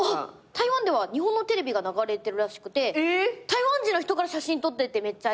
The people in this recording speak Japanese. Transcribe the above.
台湾では日本のテレビが流れてるらしくて台湾人の人から写真撮ってってめっちゃ言われたりとか。